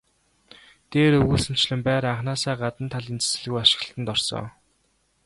Дээр өгүүлсэнчлэн байр анхнаасаа гадна талын засалгүй ашиглалтад орсон.